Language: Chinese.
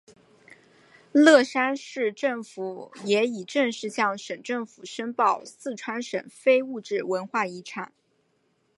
乐山市政府也已正式向省政府申报四川省非物质文化遗产。